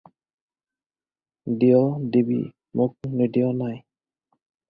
দিয় দিবি মোক নিদিয় নাই।